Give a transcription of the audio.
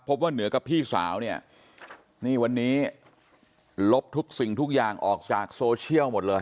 ว่าเหนือกับพี่สาวเนี่ยนี่วันนี้ลบทุกสิ่งทุกอย่างออกจากโซเชียลหมดเลย